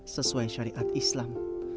sesuai syariat islam